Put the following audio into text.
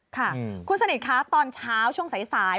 ค่ะคุณสนิทคะตอนเช้าช่วงสาย